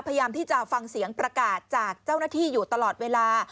พยายามที่จะฟังเสียงประกาศจากเจ้าหน้าที่อยู่ตลอดเวลา